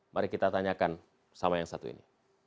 mari kita tanyakan sama yang satu ini